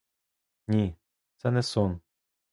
Ні, це не сон.